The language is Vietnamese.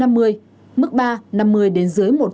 mức ba năm mươi đến dưới một trăm năm mươi